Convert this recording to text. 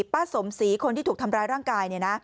ป้าสมศรีคนที่ถูกทำร้ายร่างกาย